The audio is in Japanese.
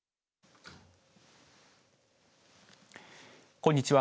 こんにちは。